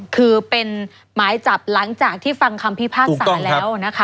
คือเป็นหมายจับหลังจากที่ฟังคำพิพากษาแล้วนะคะ